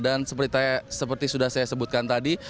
dan seperti sudah saya sebutkan tadi